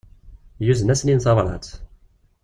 Yuzen-asen-in tabrat.